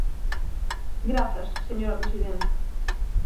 Grazas, señor presidenta.